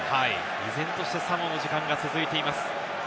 依然としてサモアの時間が続いています。